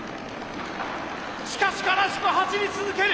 しかし悲しく走り続ける。